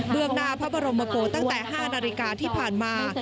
เรื่องหน้าพระบรมโกตั้งแต่๕นาฬิกาที่ผ่านมา